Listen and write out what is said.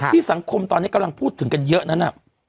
สังคมตอนนี้กำลังพูดถึงกันเยอะนั้น